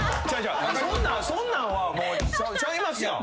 そんなんはもうちゃいますやん。